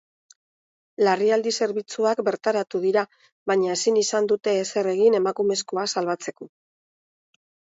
Larrialdi zerbitzuak bertaratu dira, baina ezin izan dute ezer egin emakumezkoa salbatzeko.